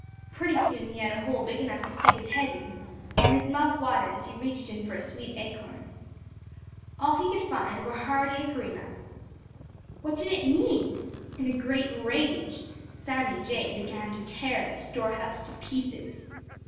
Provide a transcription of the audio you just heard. Pretty soon he had a hole big enough to stick his head in, and his mouth watered as he reached in for a sweet acorn. All he could find were hard hickory nuts. What did it mean? In a great rage, Sammy Jay began to tear the store house to pieces.